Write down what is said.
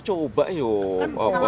kok coba coba yuk pak